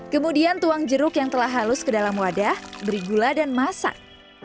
kemudian tuang jeruk yang telah halus ke dalam wadah beri gula dan masak